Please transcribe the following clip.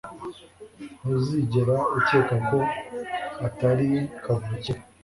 ntuzigera ukeka ko atari kavukire